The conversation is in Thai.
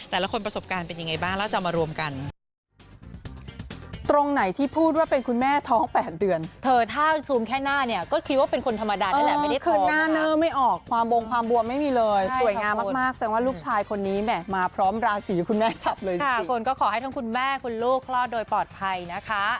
แต่ละคนประสบการณ์เป็นยังไงบ้างแล้วจะมารวมกัน